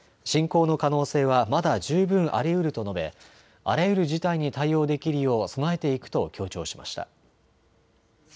侵攻の可能性はまだ十分ありうると述べあらゆる事態に対応できるよう備えていくと強調しました。